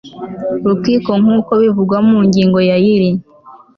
rukiko nk uko bivugwa mu ngingo ya y iri